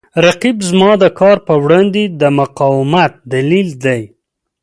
رقیب زما د کار په وړاندې د مقاومت دلیل دی